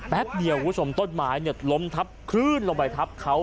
แป๊บเดียวคุณผู้ชมต้นไม้ล้มทับคลื่นลงไปทับเขา